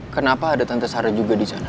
kenapa ada tante sarah juga disana